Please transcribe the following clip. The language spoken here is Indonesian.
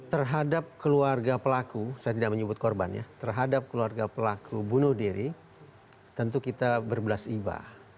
terhadap keluarga pelaku saya tidak menyebut korban ya terhadap keluarga pelaku bunuh diri tentu kita berbelas iba